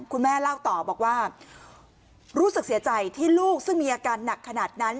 คุณแม่เล่าต่อบอกว่ารู้สึกเสียใจที่ลูกซึ่งมีอาการหนักขนาดนั้น